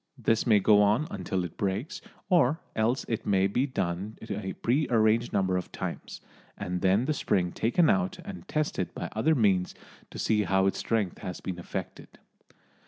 This may go on until it breaks, or else it may be done a prearranged number of times, and then the spring taken out and tested by other means to see how its strength has been affected.